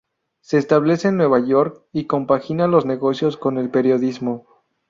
Se establece en Nueva York, y compagina los negocios con el periodismo.